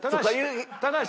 高橋！